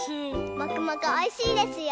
もくもくおいしいですよ。